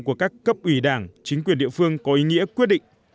của các cấp ủy đảng chính quyền địa phương có ý nghĩa quyết định